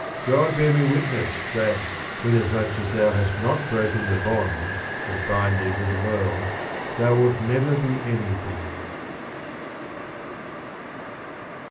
God bear me witness that, inasmuch as thou hast not broken the Bonds that bind thee to the World, thou wilt never be anything.